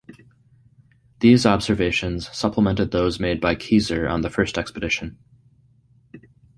These observations supplemented those made by Keyser on the first expedition.